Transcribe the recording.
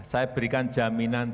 saya berikan jaminan